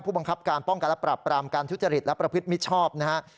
บังคับการป้องกันและปรับปรามการทุจริตและประพฤติมิชชอบนะครับ